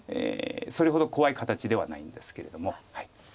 それほど怖い形ではないんですけれども。